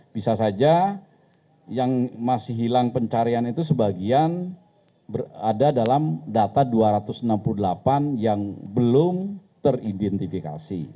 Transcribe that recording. bisa saja yang masih hilang pencarian itu sebagian berada dalam data dua ratus enam puluh delapan yang belum teridentifikasi